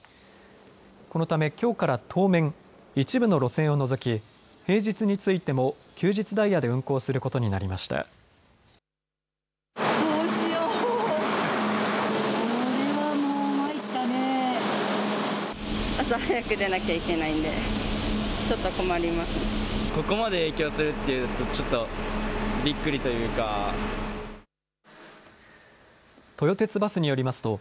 このためきょうから当面、一部の路線を除き平日についても休日ダイヤで運行することになりました。